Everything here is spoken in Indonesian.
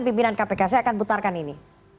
pimpinan kpk saya akan putarkan ini